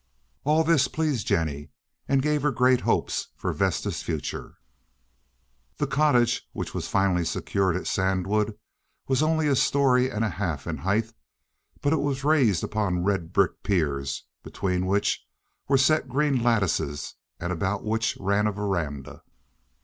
All this pleased Jennie and gave her great hopes for Vesta's future. The cottage which was finally secured at Sandwood was only a story and a half in height, but it was raised upon red brick piers between which were set green lattices and about which ran a veranda.